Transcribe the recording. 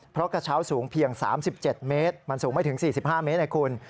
เพราะกระเช้าสูงเพียง๓๗เมตรมันสูงไม่ถึง๔๕เมตรนะคุณ